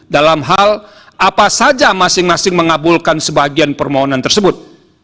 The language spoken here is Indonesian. dalam hal apa saja masing masing mengabulkan sebagian permohonan tersebut